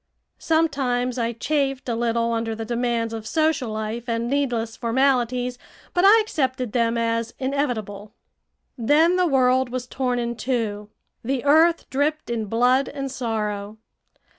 Sometimes I chafed a little under the demands of social life and needless formalities, but I accepted them as inevitable. Then the world was torn in two. The earth dripped in blood and sorrow.